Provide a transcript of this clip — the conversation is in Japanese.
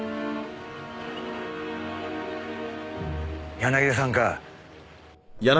柳田さんか。